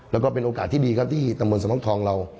แล้วก็เป็นโอกาสที่ดีครับที่ตำบลสำนักทองเรา